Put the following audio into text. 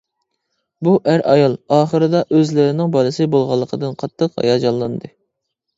بۇ ئەر-ئايال ئاخىرىدا ئۆزلىرىنىڭ بالىسى بولغانلىقىدىن قاتتىق ھاياجانلاندى.